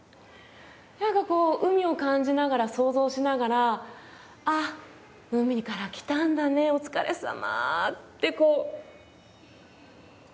海を感じながら、想像しながらあっ、海から来たんだねお疲れ様ってこう。